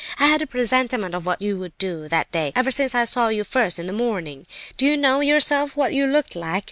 I had a presentiment of what you would do, that day, ever since I saw you first in the morning. Do you know yourself what you looked like?